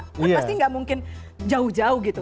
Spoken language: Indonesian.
kan pasti nggak mungkin jauh jauh gitu